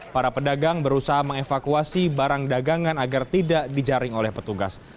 para pedagang berusaha mengevakuasi barang dagangan agar tidak dijaring oleh petugas